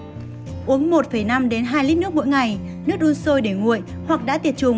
uống một năm đến hai lít nước mỗi ngày nước đun sôi để nguội hoặc đã tiệt trùng